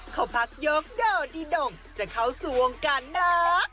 เขาพักยกโดดีดงจะเข้าสู่วงกันเหรอ